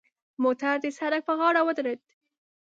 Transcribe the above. موټر د سړک پر غاړه ودرید.